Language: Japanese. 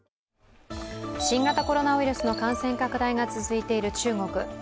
新型コロナウイルスの感染拡大が続いている中国。